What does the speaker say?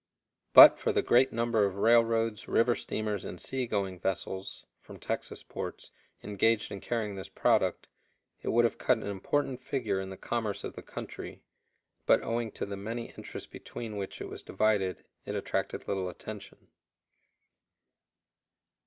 But for the great number of railroads, river steamers, and sea going vessels (from Texas ports) engaged in carrying this product, it would have cut an important figure in the commerce of the country, but owing to the many interests between which it was divided it attracted little attention.